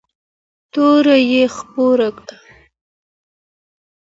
تور یې خپور کړ